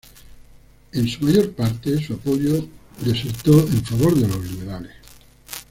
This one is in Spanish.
En su mayor parte, su apoyo desertó en favor de los liberales.